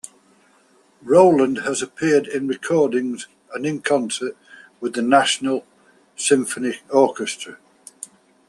Rowland has appeared in recordings and in concert with the Nashville Symphony Orchestra.